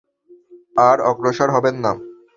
আর অগ্রসর হবেন না।